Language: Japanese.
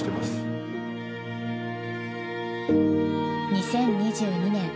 ２０２２年。